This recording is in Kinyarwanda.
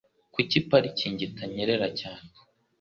Kuki parikingi itanyerera cyane?